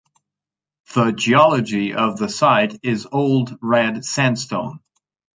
The geology of the site is old red sandstone.